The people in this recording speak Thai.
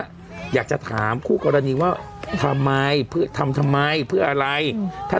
อะไรขวาขวานอะไรนะคว่ำอะไรนะ